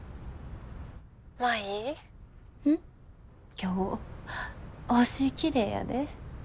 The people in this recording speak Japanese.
今日星きれいやで。